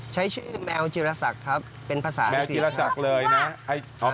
ใช้ชื่อแมวจิรศักดิ์ครับ